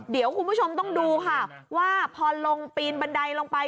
เดี๋ยวคุณผู้ชมต้องดูค่ะว่าพอลงปีนบันไดลงไป